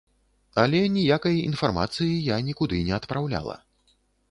Але ніякай інфармацыі я нікуды не адпраўляла.